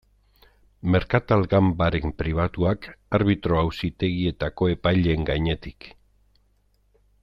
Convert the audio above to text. Merkatal ganbaren pribatuak arbitro auzitegietako epaileen gainetik.